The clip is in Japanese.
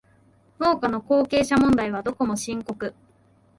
農家の後継者問題はどこも深刻